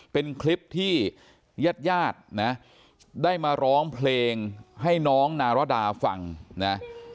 เป็นคลิปที่ญาติญาตินะได้มาร้องเพลงให้น้องนารดาฟังนะ